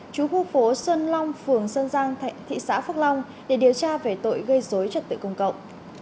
chú khu phố xuân long phường sơn giang thị xã phước long để điều tra về tội gây dối trật tự công cộng